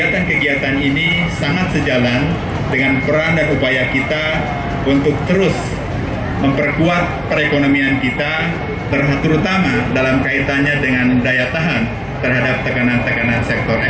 pagi ini bank indonesia sedang ada di kota pekalongan untuk mendukung acara pekan kreatif pekalongan dalam rangka memperingati hari jadi kota pekalongan yang ke satu ratus sembilan